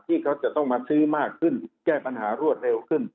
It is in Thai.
ที่เขาจะต้องมาซื้อมากขึ้นแก้ปัญหารวดเร็วขึ้น